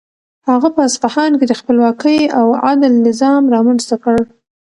هغه په اصفهان کې د خپلواکۍ او عدل نظام رامنځته کړ.